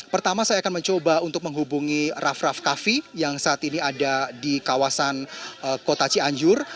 pertama saya akan mencoba untuk menghubungi raff raff kaffi yang saat ini ada di kawasan kota cianjur